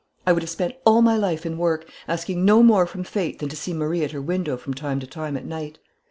I would have spent all my life in work, asking no more from fate than to see Marie at her window from time to time at night.